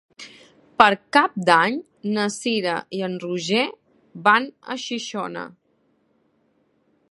Per Cap d'Any na Cira i en Roger van a Xixona.